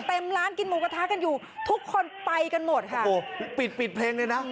ร้านกินหมูกระทะกันอยู่ทุกคนไปกันหมดค่ะโอ้โหปิดปิดเพลงเลยนะ